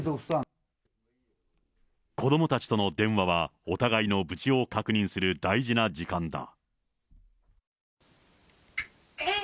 子どもたちとの電話は、お互いの無事を確認する大事な時間だ。